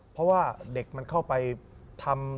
เพราะว่าเด็กมันเข้าไปทำ